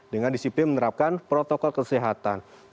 dengan disiplin menerapkan protokol kesehatan